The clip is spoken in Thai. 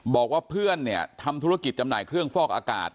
บอกว่าเพื่อนเนี่ยทำธุรกิจจำหน่ายเครื่องฟอกอากาศ